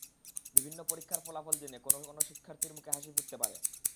বিভিন্ন পরীক্ষার ফলাফল জেনে কোনো কোনো শিক্ষার্থীর মুখে হাসি ফুটতে পারে।